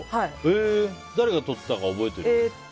誰がとったか覚えてる？